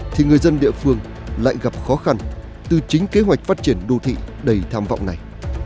thì người dân địa phương lại gặp khó khăn từ chính kế hoạch phát triển đô thị đầy tham vọng này